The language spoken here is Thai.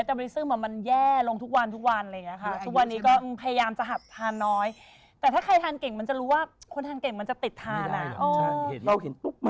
จริงแล้วเริ่มจากนางแบบ